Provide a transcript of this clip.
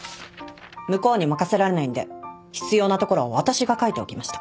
向こうに任せられないんで必要な所は私が書いておきました。